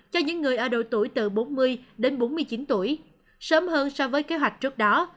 cho những người ở độ tuổi từ bốn mươi đến bốn mươi chín tuổi sớm hơn so với kế hoạch trước đó